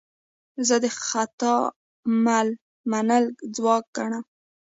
زه د خطا منل ځواک ګڼم.